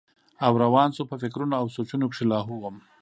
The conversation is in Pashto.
او روان شو پۀ فکرونو او سوچونو کښې لاهو وم